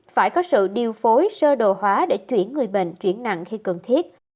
phải có sự điều phối sơ đồ hóa để chuyển người bệnh chuyển nặng khi cần thiết